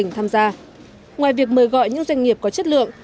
ngoài việc mời gọi những doanh nghiệp có chất lượng